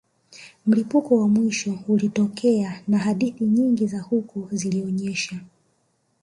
Mlipuko wa mwisho ulitokea na hadithi nyingi za huko zilionesha